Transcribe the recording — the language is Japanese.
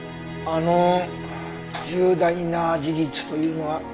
あの重大な事実というのは？